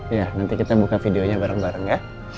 iya nanti kita buka videonya bareng bareng ya